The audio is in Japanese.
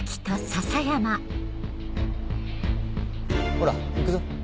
ほら行くぞ。